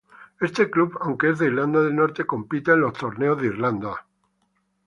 Este club aunque es de Irlanda del Norte compite en los torneos de Irlanda.